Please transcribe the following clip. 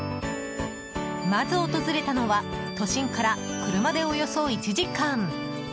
まず訪れたのは都心から車で、およそ１時間。